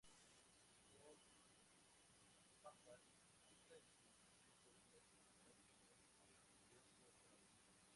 Sport Pampas disputa en su distrito el clásico local con el Leoncio Prado.